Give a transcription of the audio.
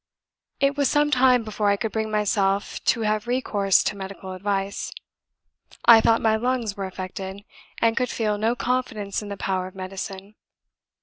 It was some time before I could bring myself to have recourse to medical advice. I thought my lungs were affected, and could feel no confidence in the power of medicine.